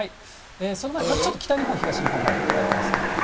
その前に、ちょっと北日本、東日本めくってからいきますね。